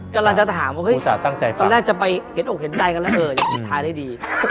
กำลังจะถามว่าเฮ้ยตอนแรกจะไปเห็นอกเห็นใจกันแล้วเออจะปิดท้ายได้ดี